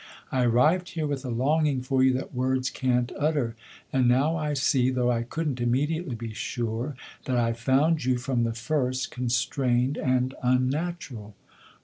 I arrived here with a longing for you that words can't utter; and now I see though I couldn't immediately be sure that I found you from the first constrained and unnatural."